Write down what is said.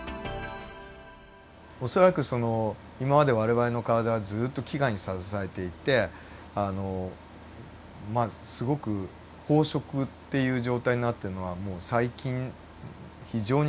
恐らくその今まで我々の体はずっと飢餓にさらされていてあのまあすごく飽食っていう状態になっているのはもう最近非常に最近なんだと思うんですね。